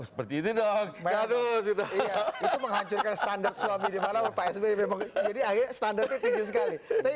seperti itu dong itu menghancurkan standar suami di malam pak sbe jadi akhirnya standarnya tinggi